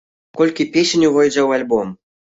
Колькі песень увойдзе ў альбом?